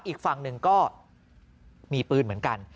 อีกฝั่งหนึ่งก็มีปืนเหมือนกัน